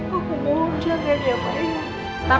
aku mohon jangan ya pak